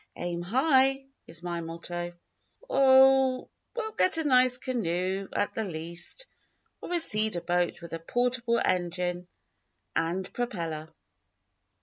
'Aim high' is my motto. Oh, we'll get a nice canoe, at the least, or a cedar boat with a portable engine and propeller."